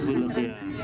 batuk bilik iya